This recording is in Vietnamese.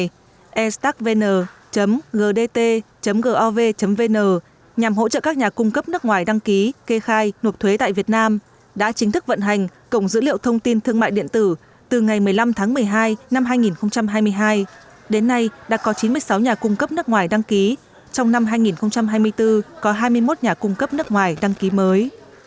tổng cục thuế đã khai trương cổng thông tin điện tử nhằm hỗ trợ các nhà cung cấp nước ngoài đăng ký kê khai nộp thuế tại việt nam đã chính thức vận hành cổng dữ liệu thông tin thương mại điện tử từ ngày một mươi năm tháng một mươi hai năm hai nghìn hai mươi hai đến nay đã có chín mươi sáu nhà cung cấp nước ngoài đăng ký trong năm hai nghìn hai mươi bốn có hai mươi một nhà cung cấp nước ngoài đăng ký mới